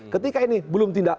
ketika ini belum tindak